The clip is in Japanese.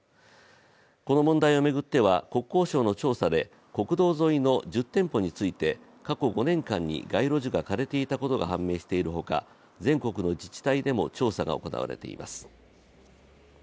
この問題を巡っては国交省の調査で国道沿いの１０店舗について過去５年間に街路樹が枯れていたことが判明しているほか、全国の自治体でも調査が行われています。